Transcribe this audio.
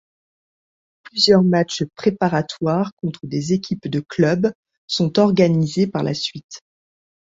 Plusieurs matchs préparatoires contre des équipes de club sont organisés par la suite.